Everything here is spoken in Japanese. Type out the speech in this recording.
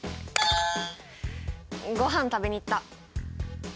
ごはん食べに行った！